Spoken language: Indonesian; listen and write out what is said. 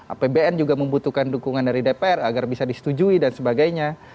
apbn juga membutuhkan dukungan dari dpr agar bisa disetujui dan sebagainya